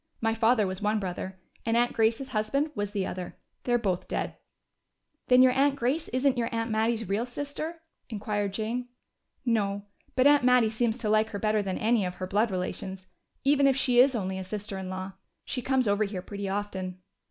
My father was one brother, and Aunt Grace's husband was the other. They're both dead." "Then your aunt Grace isn't your aunt Mattie's real sister?" inquired Jane. "No. But Aunt Mattie seems to like her better than any of her blood relations, even if she is only a sister in law. She comes over here pretty often."